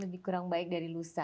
lebih kurang baik dari lusa